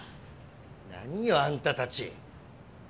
何よあんたたち。